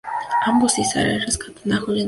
Amos y Sarah rescatan a Julia en el congelador.